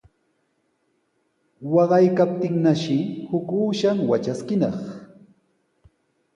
Waqaykaptinnashi huk uushan watraskinaq.